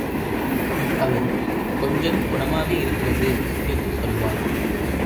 அவன், கொஞ்சம் குணமாக இருக்கிறது — என்று சொல்வான்.